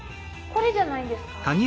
これじゃないんですか？